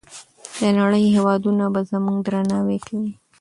د نړۍ هېوادونه به زموږ درناوی کوي.